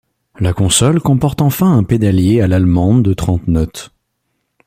La console comporte enfin un pédalier à l'allemande de trente notes.